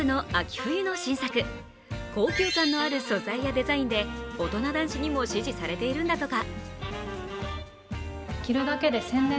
冬の新作高級感のある素材やデザインで、大人男子にも支持されているんだとか。